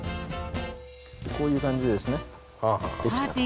こういう感じでですねできたと。